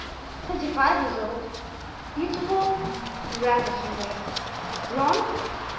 "Twenty five years old." "Beautiful?" "Ravishingly." "Blond?"